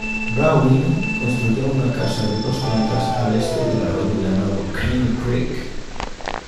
Browning construyó una casa de dos plantas al este del arroyo llamado "Caney Creek".